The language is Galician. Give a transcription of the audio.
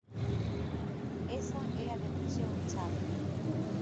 Esa é a decisión chave.